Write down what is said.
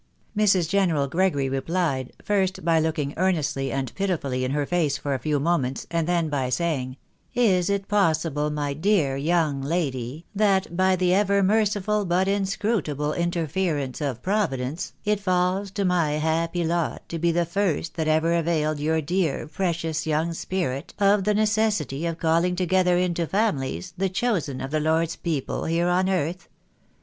'' Mrs. General Gregory replied, first by looking earnestly and pitifully in her face for a few moments, and then by saying— "Is it possible, my dear young lady, that by the ever merciful but inscrutable interference of Providence, it falls to my happy lot to be the first that ever availed your dear precious young spirit of the necessity of calling together into families, the chosen of the Lord's people here on earth?"